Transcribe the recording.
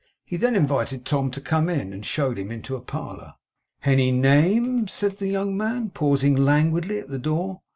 He then invited Tom to come in, and showed him into a parlour. 'Hany neem?' said the young man, pausing languidly at the door.